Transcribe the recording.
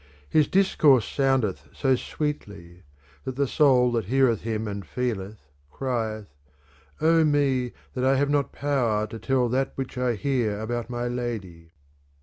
His discourse soundeth so sweetly that the soul that heareth him and feeleth cryeth :' Oh, me that I have not power to tell that which I hear about my lady.'